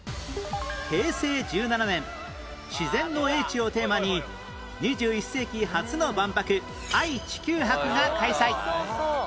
平成１７年自然の叡智をテーマに２１世紀初の万博愛・地球博が開催